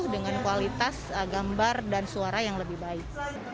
dengan kualitas gambar dan suara yang lebih baik